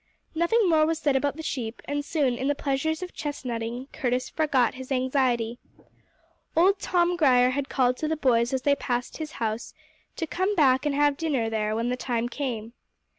Nothing more was said about the sheep, and soon, in the pleasures of chestnutting, Curtis forgot his anxiety. Old Tom Grier had called to the boys as they passed his house to come back and have dinner there when the time came.